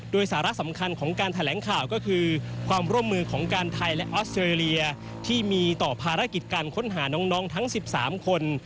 โดยสาระสำคัญของการแถลงข่าวก็คือความร่วมมือของการไทยและออสเตรเลียที่มีต่อภารกิจการค้นหาน้องทั้ง๑๓คน